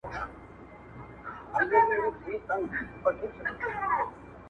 • اوس بيا د ښار په ماځيگر كي جادو.